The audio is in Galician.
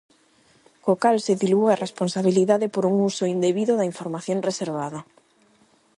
Co cal se dilúe a responsabilidade por un uso indebido da información reservada.